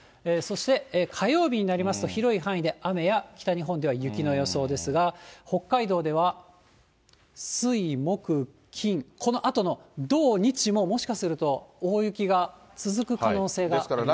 そして火曜日になりますと、広い範囲で雨や、北日本では雪の予想ですが、北海道では水、木、金、このあとの土、日も、もしかすると大雪が続く可能性があります。